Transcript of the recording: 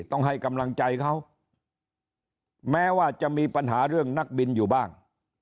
ต้องให้กำลังใจเขาแม้ว่าจะมีปัญหาเรื่องนักบินอยู่บ้าง